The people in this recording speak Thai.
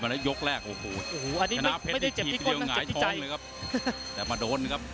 วันนี้เดี่ยงไปคู่แล้วนะพี่ป่านะ